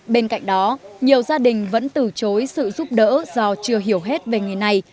bên cạnh đó nhiều gia đình vẫn từ chối sự giúp đỡ do chưa hiểu hết về nghề này